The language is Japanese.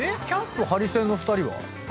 キャンプハリセンの２人は？